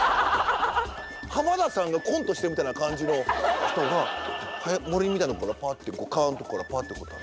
浜田さんがコントしてるみたいな感じの人が森みたいなとこからパッて川のとこからパッとこう立って。